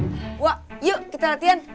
mbak yuk kita latihan